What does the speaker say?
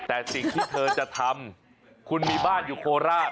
แต่สิ่งที่เธอจะทำคุณมีบ้านอยู่โคราช